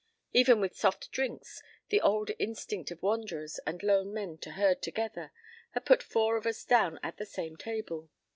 Even with soft drinks, the old instinct of wanderers and lone men to herd together had put four of us down at the same table.